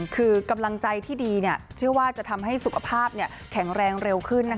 คือกำลังใจที่ดีเชื่อว่าจะทำให้สุขภาพแข็งแรงเร็วขึ้น